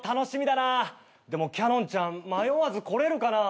でもキャノンちゃん迷わず来れるかな。